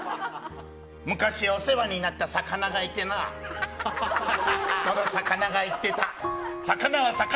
昔、お世話になった魚がいてなその魚が言ってた。